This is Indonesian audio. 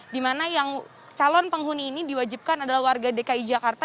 di mana yang calon penghuni ini diwajibkan adalah warga dki jakarta